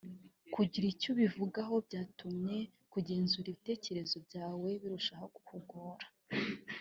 kugira icyo ubivugaho byatuma kugenzura ibitekerezo byawe birushaho kukugora